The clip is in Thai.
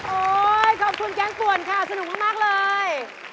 ขอบคุณแก๊งป่วนค่ะสนุกมากเลย